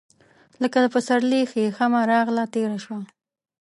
لکه د پسرلي هیښمه راغله، تیره سوه